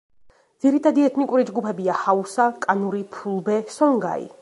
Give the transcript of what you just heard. ძირითადი ეთნიკური ჯგუფებია: ჰაუსა, კანური, ფულბე, სონგაი.